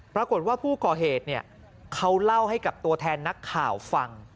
ปรากฏว่าผู้ก่อเหตุเขาเล่าให้กับตัวแทนนักข่าวฟัง